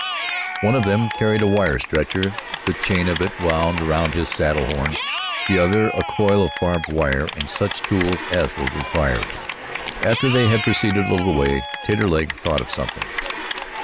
One of them carried a wire stretcher, the chain of it wound round his saddle horn, the other a coil of barbed wire and such tools as were required. After they had proceeded a little way, Taterleg thought of something.